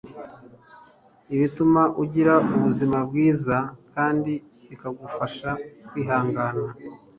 bituma ugira ubuzima bwiza kandi bikagufasha kwihangana